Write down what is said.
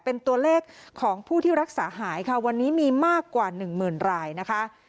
เป็นตัวเลขของผู้ที่รักษาหายค่ะวันนี้มีมากกว่าหนึ่งหมื่นรายนะคะ